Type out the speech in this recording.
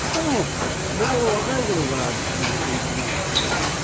僕若い頃から自炊していましたから自分で。